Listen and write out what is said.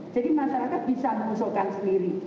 jadi masyarakat bisa mengusulkan sendiri